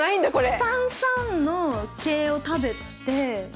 ３三の桂を食べて。